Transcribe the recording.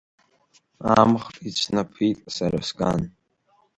Амӷ ицәнаԥит сара сган.